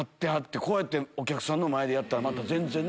こうやってお客さんの前でやったらまた全然ね。